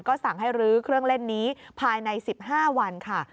สั่งให้รื้อเครื่องเล่นนี้ภายใน๑๕วันค่ะ